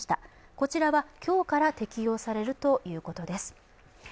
こちらは今日から適用されるということです。